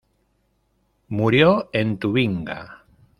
Murió en Tubinga.